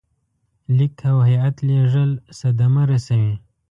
لیک او هیات لېږل صدمه رسوي.